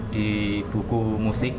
di buku musik